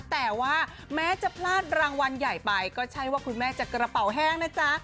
แต่ว่าแม้จะพลาดรางวัลใหญ่ไปก็ใช่ว่าคุณแม่จะกระเป๋าแห้งนะจ๊ะ